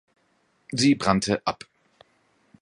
Sie brannte ab.